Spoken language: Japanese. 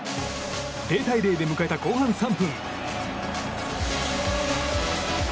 ０対０で迎えた後半３分。